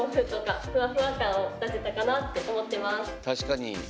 確かに。